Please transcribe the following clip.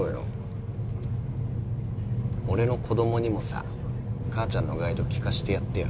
俺の子供にもさ母ちゃんのガイド聞かしてやってよ。